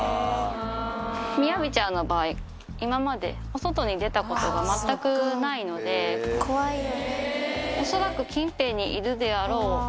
みやびちゃんの場合、今までお外に出たことが全くないので、恐らく近辺にいるであろう。